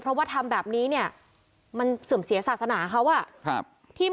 เพราะว่าทำแบบนี้เนี่ยมันเสื่อมเสียศาสนาเขาอ่ะครับ